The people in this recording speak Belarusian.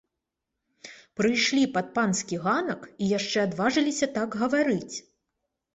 Прыйшлі пад панскі ганак і яшчэ адважыліся так гаварыць!